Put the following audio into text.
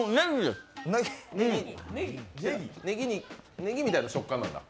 ねぎみたいな食感なんだ。